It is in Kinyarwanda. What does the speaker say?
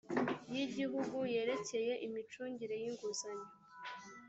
y igihugu yerekeye imicungire y inguzanyo